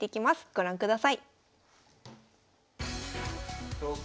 ご覧ください。